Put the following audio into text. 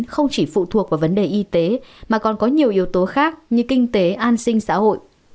không chỉ phụ thuộc vào vấn đề y tế mà còn có nhiều yếu tố khác như kinh tế an sinh xã hội